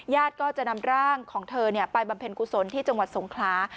ก็จะนำร่างของเธอไปบำเพ็ญกุศลที่จังหวัดสงคลา